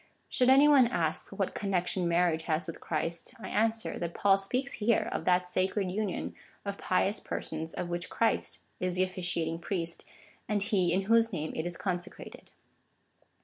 Should any one K ask, what connection marriage has with Christ, I answer, that Paul speaks here of that sacred union of pious persons, of which Christ is the officiating priest,^ and He in whose name it is consecrated.